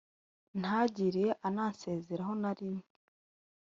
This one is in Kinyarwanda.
ntagire anasezeranaho na rimwe